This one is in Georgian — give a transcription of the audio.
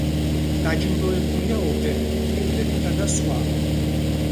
დაჯილდოებულია ორდენებით, მედლებითა და სხვა.